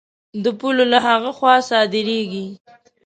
د پولو له هغه خوا صادرېږي.